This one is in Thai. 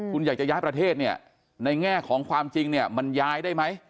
คุณอยากจะย้ายประเทศในแง่ของความจริงมันย้ายได้ไหม